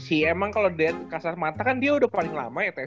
si emang kalo kasar mata kan dia udah paling lama ya tsc nya